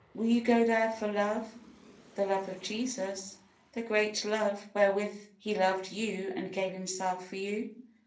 Will you go there for love the love of Jesus! the great love wherewith He loved you and gave Himself for you?